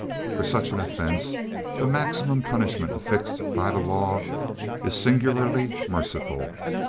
For such an offense the maximum punishment affixed by the law is singularly merciful.